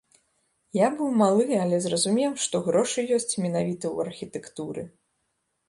Я быў малы, але зразумеў, што грошы ёсць менавіта ў архітэктуры.